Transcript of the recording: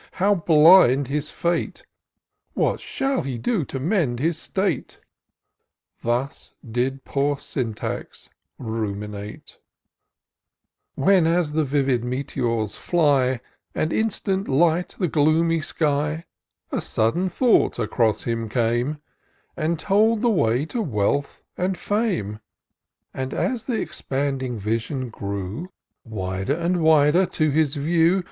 how blind his fate ! What shall he do to mend his state ? Thus did poor Syntax ruminate; When, as the vivid meteor^ fly, And instant light the gloomy sky, A sudden thought across him came, And told the way to wealth and fame ; And, as th' expanding vision grew Wider and wider to his view.